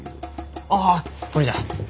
ああこれじゃ。